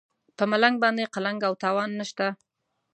په ملنګ باندې قلنګ او تاوان نشته.